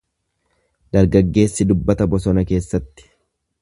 Dargaggeessi dubbata bosona keessatti.